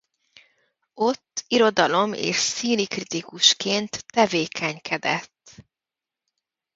Ott irodalom- és színikritikusként tevékenykedett.